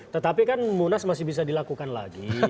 tetapi kan munas masih bisa dilakukan lagi